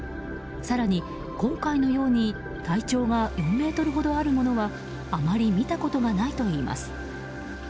更に今回のように体長が４ｍほどあるのはあまり見たことがないといいます。